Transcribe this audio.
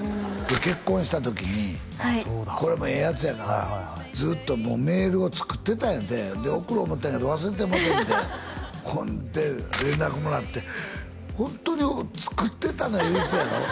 結婚した時にこれもええやつやからずっともうメールを作ってたんやてで送ろう思うたんやけど忘れてもうたんやてほんで連絡もらって「ホントに作ってたの」言うてたやろ？